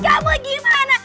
terus kamu gimana